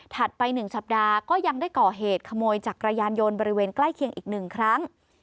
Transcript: ไป๑สัปดาห์ก็ยังได้ก่อเหตุขโมยจักรยานยนต์บริเวณใกล้เคียงอีก๑ครั้ง